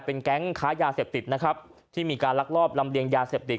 เป็นแก๊งค้ายาเสพติดนะครับที่มีการลักลอบลำเลียงยาเสพติด